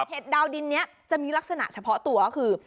เห็ดดาวดินเนี่ยจะมีลักษณะเฉพาะตัวคือ